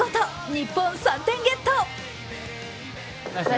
日本、３点ゲット。